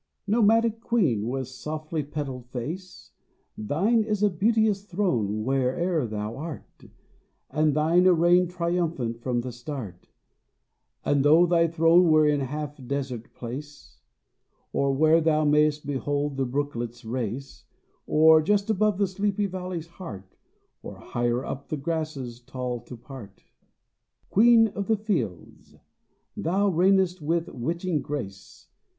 Nomadic queen with softly petaled face, Thine is a beauteous throne where'er thou art, And thine a reign triumphant from the start; And though thy throne were in half desert place, Or where thou may'st behold the brooklets race, Or just above the sleepy valley's heart, Or higher up the grasses tall to part Queen of the fields! thou reign'st with witching grace.